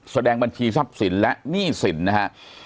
แสดงบัญชีทรัพย์สินและหนี้สินนะฮะ